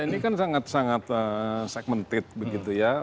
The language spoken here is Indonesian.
ini kan sangat sangat segmented begitu ya